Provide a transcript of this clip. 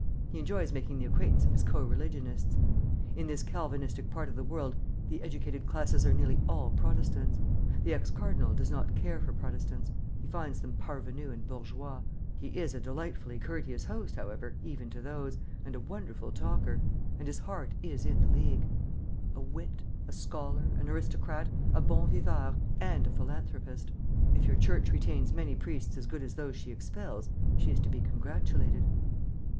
He enjoys making the acquaintance of his co religionists. In this Calvinistic part of the world the educated classes are nearly all Protestants. The ex cardinal does not care for Protestants; he finds them parvenus and bourgeois. He is a delightfully courteous host, however, even to those, and a wonderful talker. And his heart is in the League. A wit, a scholar, an aristocrat, a bon viveur, and a philanthropist. If your Church retains many priests as good as those she expels, she is to be congratulated."